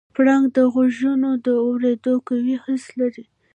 پړانګ د غږونو د اورېدو قوي حس لري.